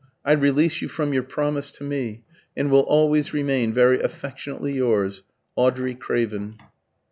I release you from your promise to me, and will always remain very affectionately yours, AUDREY CRAVEN."